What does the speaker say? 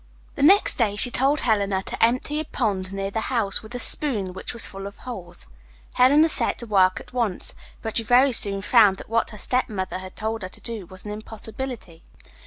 The next day she told Helena to empty a pond near the house with a spoon which was full of holes. Helena set to work at once, but she very soon found that what her stepmother had told her to do was an impossibility.